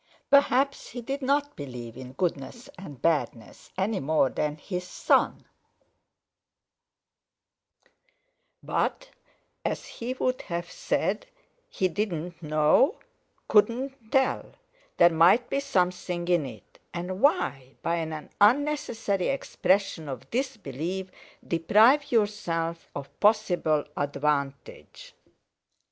Perhaps he did not believe in "goodness" and "badness" any more than his son; but as he would have said: He didn't know—couldn't tell; there might be something in it; and why, by an unnecessary expression of disbelief, deprive yourself of possible advantage?